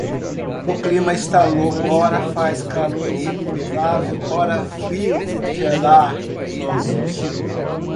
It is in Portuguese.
O clima está louco: ora faz calor insuportável, ora frio de gelar os ossos.